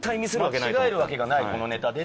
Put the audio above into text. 間違えるわけがないこのネタで。